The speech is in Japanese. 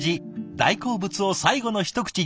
大好物を最後の一口に。